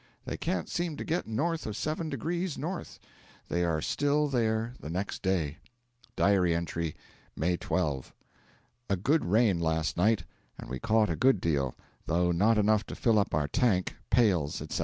They can't seem to get north of 7 degrees N.; they are still there the next day: (Diary entry) May 12. A good rain last night, and we caught a good deal, though not enough to fill up our tank, pails, &c.